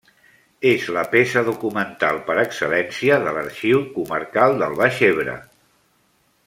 És la peça documental per excel·lència de l’Arxiu Comarcal del Baix Ebre.